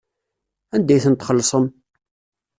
Anda ay ten-txellṣem?